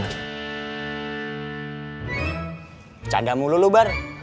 bercanda mulu lu bar